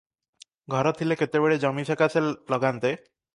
ଘର ଥିଲେ କେତେବେଳେ ଜମି ସକାଶେ ଲଗାନ୍ତେ ।